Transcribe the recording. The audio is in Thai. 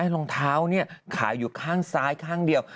รองเท้าขายอยู่ข้างซ้ายข้างเดียว